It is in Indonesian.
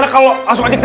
kan kalau kayak begitu